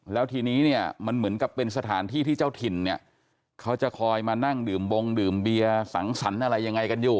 แล้วทีนี้เนี่ยมันเหมือนกับเป็นสถานที่ที่เจ้าถิ่นเนี่ยเขาจะคอยมานั่งดื่มบงดื่มเบียร์สังสรรค์อะไรยังไงกันอยู่